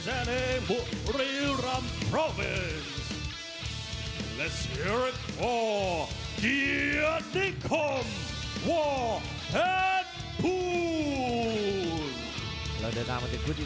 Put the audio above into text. แชมปริยุรัมโปรวิสต่อสิทธิ์ที่๔สิทธิ์ที่๕สิทธิ์ที่๔